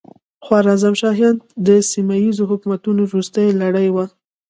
خوارزم شاهان د سیمه ییزو حکومتونو وروستۍ لړۍ وه.